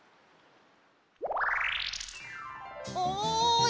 おい！